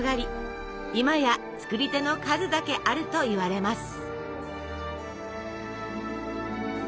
今や作り手の数だけあるといわれます。